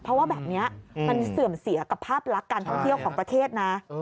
เพราะว่าแบบนี้มันเสื่อมเสียกับภาพลักษณ์การท่องเที่ยวของประเทศนะ